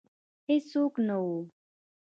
هیڅوک نه وه